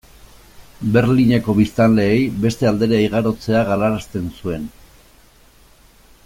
Berlineko biztanleei beste aldera igarotzea galarazten zuen.